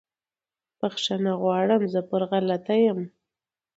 بخښنه غواړم زه پر غلطه یم